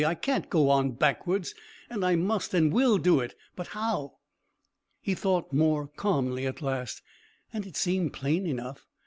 "I can't go on backwards, and I must and will do it. But how?" He thought more calmly at last, and it seemed plain enough.